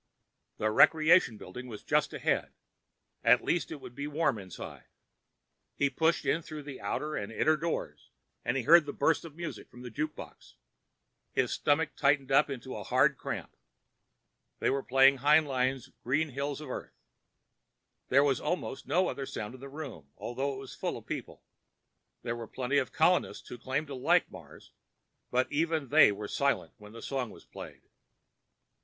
The Recreation Building was just ahead; at least it would be warm inside. He pushed in through the outer and inner doors, and he heard the burst of music from the jukebox. His stomach tightened up into a hard cramp. They were playing Heinlein's Green Hills of Earth. There was almost no other sound in the room, although it was full of people. There were plenty of colonists who claimed to like Mars, but even they were silent when that song was played.